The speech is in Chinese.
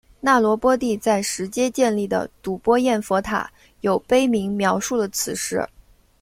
那罗波帝在实皆建立的睹波焰佛塔有碑铭描述了此事。